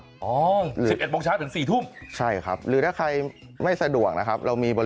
ข้างบัวแห่งสันยินดีต้อนรับทุกท่านนะครับ